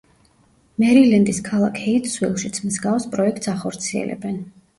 მერილენდის ქალაქ ჰეიტსვილშიც მსგავს პროექტს ახორციელებენ.